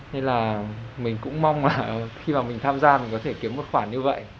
nên là mình cũng mong là khi mà mình tham gia mình có thể kiếm một khoản như vậy